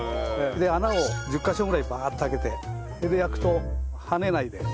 穴を１０カ所ぐらいバーッと開けてそれで焼くと跳ねないで済みますんで。